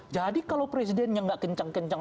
jadi kalau presiden yang gak kencang kencang